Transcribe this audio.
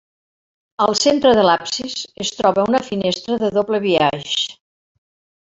Al centre de l'absis es troba una finestra de doble biaix.